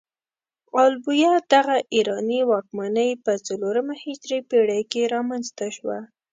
ال بویه دغه ایراني واکمنۍ په څلورمه هجري پيړۍ کې رامنځته شوه.